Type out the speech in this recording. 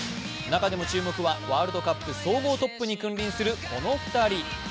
中でも注目はワールドカップ総合トップに君臨するこの２人。